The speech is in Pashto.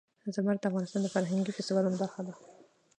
زمرد د افغانستان د فرهنګي فستیوالونو برخه ده.